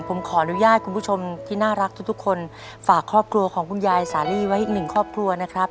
ผมขออนุญาตคุณผู้ชมที่น่ารักทุกทุกคนฝากครอบครัวของคุณยายสาลีไว้อีกหนึ่งครอบครัวนะครับ